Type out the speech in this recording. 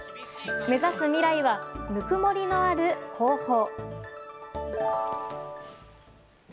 目指す未来はぬくもりのある広報。